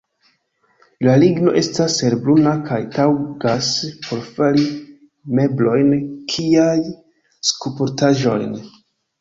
La ligno estas helbruna kaj taŭgas por fari meblojn kiaj skulptaĵojn.